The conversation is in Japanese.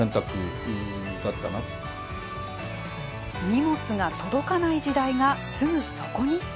荷物が届かない時代がすぐそこに。